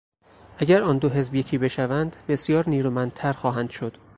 اگر آن دو حزب یکی بشوند بسیار نیرومندتر خواهند شد.